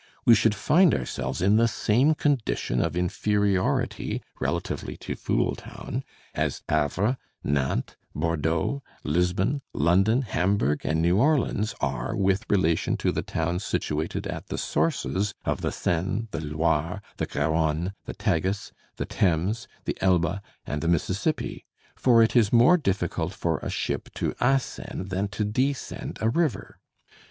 We should find ourselves in the same condition of inferiority relatively to Fooltown, as Havre, Nantes, Bordeaux, Lisbon, London, Hamburg, and New Orleans, are with relation to the towns situated at the sources of the Seine, the Loire, the Garonne, the Tagus, the Thames, the Elbe, and the Mississippi; for it is more difficult for a ship to ascend than to descend a river.